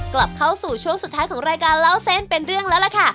กลับเข้าสู่ช่วงสุดท้ายของรายการเล่าเส้นเป็นเรื่องแล้วล่ะค่ะ